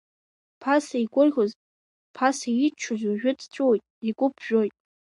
Ԥаса игәырӷьоз, ԥаса иччоз, уажәы дҵәыуеит, игәы ԥжәоит!